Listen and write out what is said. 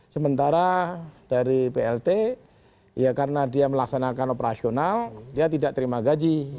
sementara dari plt ya karena dia melaksanakan operasional dia tidak terima gaji